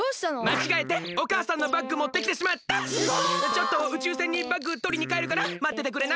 ちょっと宇宙船にバッグとりにかえるからまっててくれない？